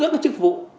giữ các chức vụ